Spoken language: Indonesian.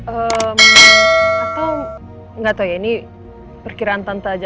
atau nggak tahu ya ini perkiraan tante aja